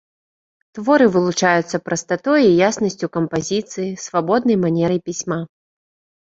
Творы вылучаюцца прастатой і яснасцю кампазіцыі, свабоднай манерай пісьма.